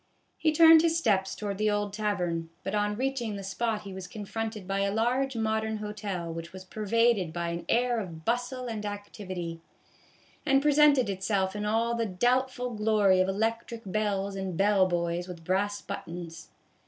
He turned his steps toward the old tavern, but on A SAG OF POP CORN. 169 reaching the spot he was confronted by a large modern hotel which was pervaded by an air of bustle and activity, and presented itself in all the doubtful glory of electric bells and bell boys with brass buttons.